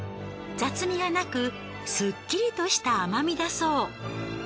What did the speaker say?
雑味がなくスッキリとした甘みだそう。